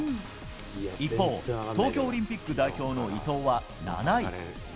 一方、東京オリンピック代表の伊藤は７位。